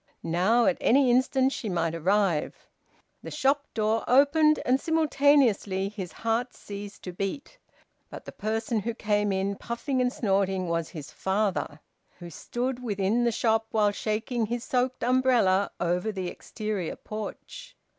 Now at any instant she might arrive. The shop door opened, and simultaneously his heart ceased to beat. But the person who came in, puffing and snorting, was his father, who stood within the shop while shaking his soaked umbrella over the exterior porch.